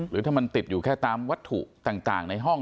หรือถ้ามันติดอยู่แค่ตามวัตถุต่างในห้อง